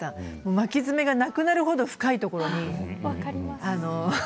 巻き爪がなくなるほど深いところに、あの。